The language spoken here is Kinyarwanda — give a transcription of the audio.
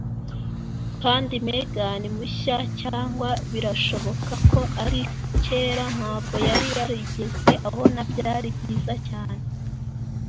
Kandi, Megan mushya - cyangwa birashoboka ko ari kera ntabwo yari yarigeze abona - byari byiza cyane.